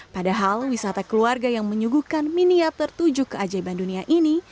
padahal wisata keluarga yang menyuguhkan minia tertuju keajaiban dunia ini